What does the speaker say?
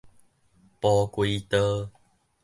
蒲葵道